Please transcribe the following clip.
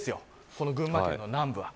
この群馬県の南部は。